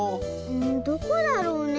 どこだろうね？